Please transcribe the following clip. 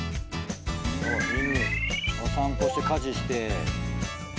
お散歩して家事して。